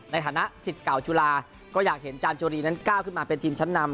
ในฐานะสิทธิ์เก่าจุฬาก็อยากเห็นจานโจรีนั้นก้าวขึ้นมาเป็นทีมชั้นนำ